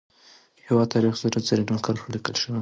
د هیواد تاریخ په زرینو کرښو لیکل شوی.